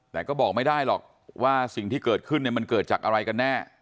แต่ก็บอกไม่ได้หรอกว่าสิ่งที่เกิดขึ้นเนี่ยมันเกิดจากอะไรกันแน่